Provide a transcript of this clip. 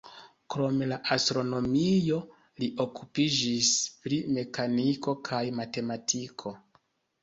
Krom la astronomio li okupiĝis pri mekaniko kaj matematiko.